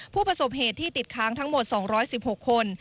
ผู้ประสบเหตุที่ติดค้างทั้งหมด๒๑๖คน